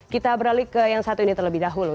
kita beralih ke yang satu ini terlebih dahulu